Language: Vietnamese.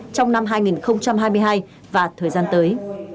trong năm hai nghìn hai mươi hai và thời gian tới